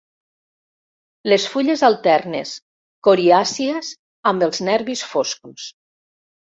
Les fulles alternes, coriàcies amb els nervis foscos.